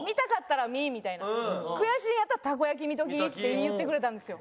「悔しいんやったらたこ焼き見とき」って言ってくれたんですよ。